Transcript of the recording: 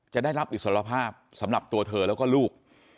จะได้รับอิสรภาพสำหรับตัวเธอแล้วก็ลูก